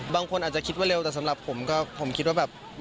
บางคนอาจจะคิดว่าเร็วแต่สำหรับผมก็ผมคิดว่าแบบ